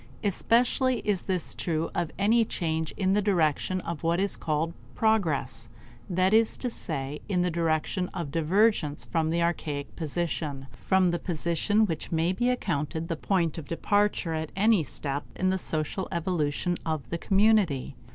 Especially is this true of any change in the direction of what is called progress; that is to say, in the direction of divergence from the archaic position from the position which may be accounted the point of departure at any step in the social evolution of the community.